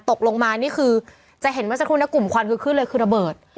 ตกลงมานี่คือจะเห็นเมื่อสักครู่นะกลุ่มควันคือขึ้นเลยคือระเบิด